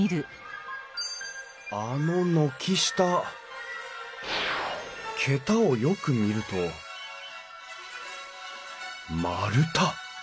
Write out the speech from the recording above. あの軒下桁をよく見ると丸太。